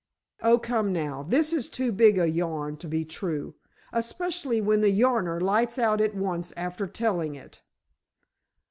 "Oh, come now, this is too big a yarn to be true, especially when the yarner lights out at once after telling it!"